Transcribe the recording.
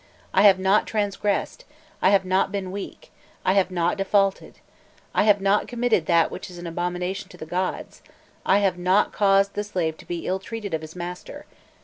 I have not transgressed, I have not been weak, I have not defaulted, I have not committed that which is an abomination to the gods. I have not caused the slave to be ill treated of his master!